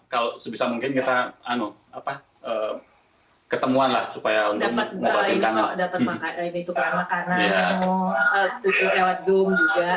kalau sebisa mungkin kita ketemuan lah supaya untuk membuatkan dapat makan makanan